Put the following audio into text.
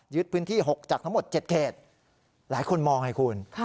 พื้นที่๖จากทั้งหมด๗เขตหลายคนมองไงคุณ